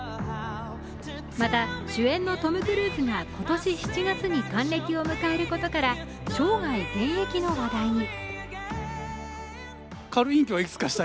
また、主演のトム・クルーズが今年７月に還暦を迎えることから生涯現役の話題に。